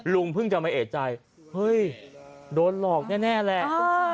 เพิ่งจะมาเอกใจเฮ้ยโดนหลอกแน่แหละ